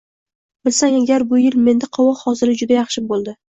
- Bilsang agar, bu yil menda qovoq hosili juda yaxshi bo'ldi!